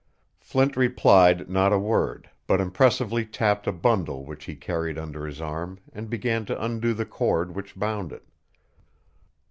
Flint replied not a word, but impressively tapped a bundle which he carried under his arm and began to undo the cord which bound it.